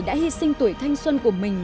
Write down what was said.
đã hy sinh tuổi thanh xuân của mình